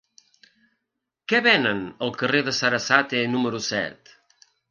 Què venen al carrer de Sarasate número set?